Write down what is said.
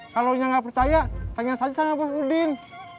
kalau lu nggak percaya tanya saja sama bos udin